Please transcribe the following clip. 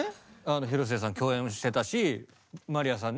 広末さん共演もしてたしまりやさんね